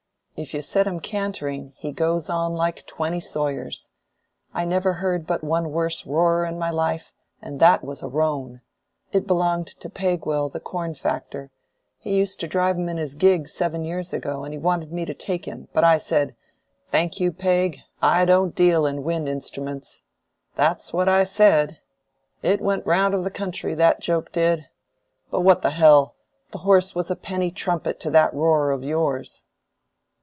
If you set him cantering, he goes on like twenty sawyers. I never heard but one worse roarer in my life, and that was a roan: it belonged to Pegwell, the corn factor; he used to drive him in his gig seven years ago, and he wanted me to take him, but I said, 'Thank you, Peg, I don't deal in wind instruments.' That was what I said. It went the round of the country, that joke did. But, what the hell! the horse was a penny trumpet to that roarer of yours."